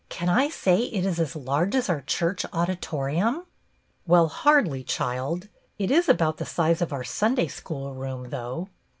" Can I say it is as large as our church auditorium ?"" Well, hardly, child. It is about the size of our Sunday School room, though."